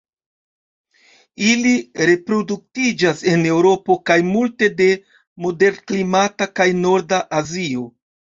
Ili reproduktiĝas en Eŭropo kaj multe de moderklimata kaj norda Azio.